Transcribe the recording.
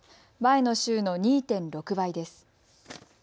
前の週の２．６倍です。